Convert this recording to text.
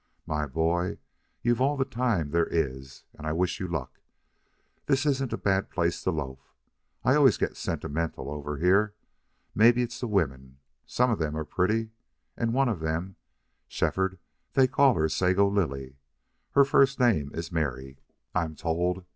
My boy, you've all the time there is, and I wish you luck. This isn't a bad place to loaf. I always get sentimental over here. Maybe it's the women. Some of them are pretty, and one of them Shefford, they call her the Sago Lily. Her first name is Mary, I'm told.